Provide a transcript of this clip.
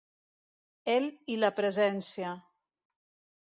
El i la presència.